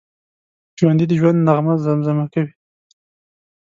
ژوندي د ژوند نغمه زمزمه کوي